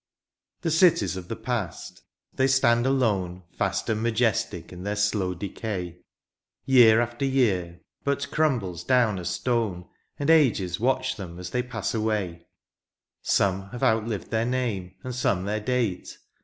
The cities of the past, they stand alone Vast and majestic in their slow decay; Year after year but crumbles down a stone^ And ages watch them as they pass away ; Some have outlived their name, and some their date.